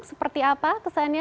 seperti apa kesannya